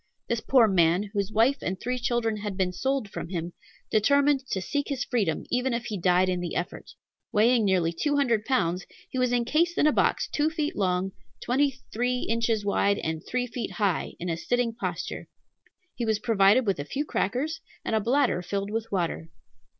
This poor man, whose wife and three children had been sold from him, determined to seek his freedom, even if he died in the effort. Weighing nearly two hundred pounds, he was encased in a box two feet long, twenty three inches wide, and three feet high, in a sitting posture. He was provided with a few crackers, and a bladder filled with water.